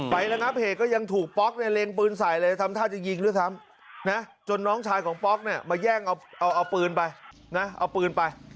ระงับเหตุก็ยังถูกป๊อกเนี่ยเล็งปืนใส่เลยทำท่าจะยิงด้วยซ้ำนะจนน้องชายของป๊อกเนี่ยมาแย่งเอาปืนไปนะเอาปืนไป